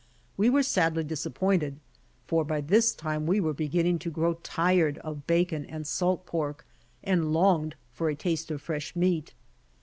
We were sadly disappointed, for by this time we were beginning to grow tried of bacon and salt pork, and longed for a taste of fresh niieat.